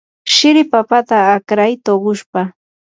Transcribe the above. shiri papata akray tuqushpa.